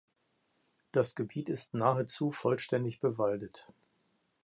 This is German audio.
Das Gebiet ist nahezu vollständig bewaldet.